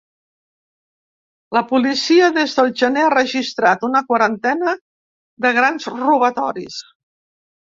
La policia, des del gener, ha registrat una quarantena de grans robatoris.